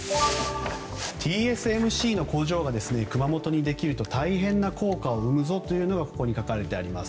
ＴＳＭＣの工場が熊本にできると大変な効果を生むぞというのがここに書かれています。